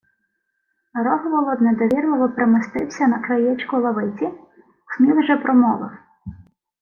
Рогволод недовірливо примостився на краєчку лавиці, Сміл же промовив: